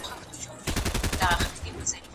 نور به رقیبان نه وي ته به یې او زه به یم